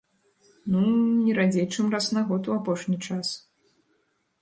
Ну, не радзей чым раз на год у апошні час.